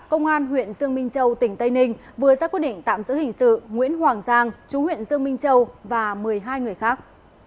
công an huyện dương minh châu tỉnh tây ninh vừa ra quyết định tạm giữ hình sự nguyễn hoàng giang chú huyện dương minh châu và một mươi hai người khác